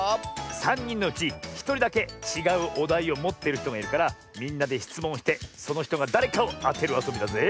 さんにんのうちひとりだけちがうおだいをもってるひとがいるからみんなでしつもんをしてそのひとがだれかをあてるあそびだぜ。